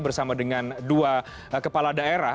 bersama dengan dua kepala daerah